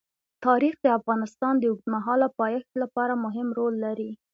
تاریخ د افغانستان د اوږدمهاله پایښت لپاره مهم رول لري.